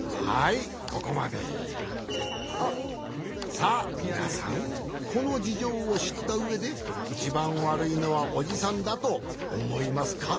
さあみなさんこのじじょうをしったうえでいちばんわるいのはおじさんだとおもいますか？